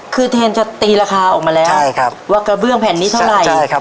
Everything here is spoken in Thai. คือแทนจะตีราคาออกมาแล้วใช่ครับว่ากระเบื้องแผ่นนี้เท่าไหร่ใช่ครับ